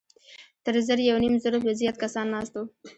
تر زر يونيم زرو به زيات کسان ناست وو.